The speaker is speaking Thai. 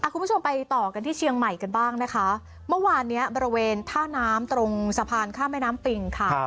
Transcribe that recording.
คุณผู้ชมไปต่อกันที่เชียงใหม่กันบ้างนะคะเมื่อวานเนี้ยบริเวณท่าน้ำตรงสะพานข้ามแม่น้ำปิงค่ะ